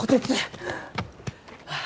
ああ。